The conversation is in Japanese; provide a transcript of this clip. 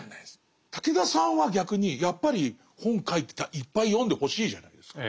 武田さんは逆にやっぱり本書いてたらいっぱい読んでほしいじゃないですか。